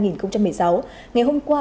năm hai nghìn một mươi sáu ngày hôm qua